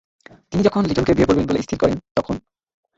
তিনি যখন লিটনকে বিয়ে করবেন বলে স্থির করেন তখন